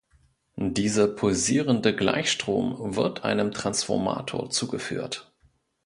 Dieser pulsierende Gleichstrom wird einem Transformator zugeführt.